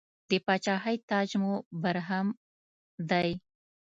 د پاچاهۍ تاج مو برهم دی.